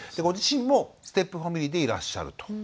ご自身もステップファミリーでいらっしゃると。